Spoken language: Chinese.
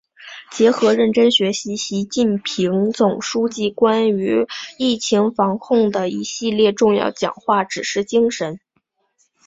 结合认真学习习近平总书记关于疫情防控的一系列重要讲话、指示精神